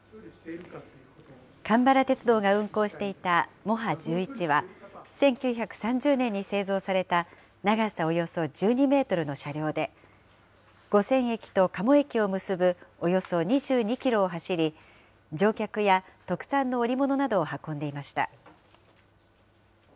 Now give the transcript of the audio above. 蒲原鉄道が運行していたモハ１１は、１９３０年に製造された長さおよそ１２メートルの車両で、五泉駅と加茂駅を結ぶおよそ２２キロを走り、乗客や特産の織物などを運んでいました。